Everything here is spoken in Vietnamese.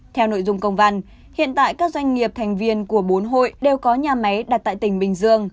theo nội dung công văn hiện tại các doanh nghiệp thành viên của bốn hội đều có nhà máy đặt tại tỉnh bình dương